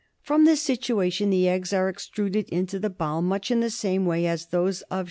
From this situation the eggs are extruded into the bowel, much in the same way as those of S.